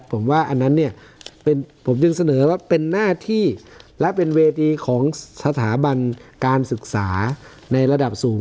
ผมว่าอันนั้นเนี่ยผมจึงเสนอว่าเป็นหน้าที่และเป็นเวทีของสถาบันการศึกษาในระดับสูง